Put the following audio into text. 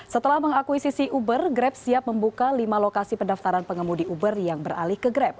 setelah mengakuisisi uber grab siap membuka lima lokasi pendaftaran pengemudi uber yang beralih ke grab